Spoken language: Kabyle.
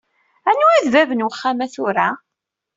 Anwa i d bab n wexxam-a tura?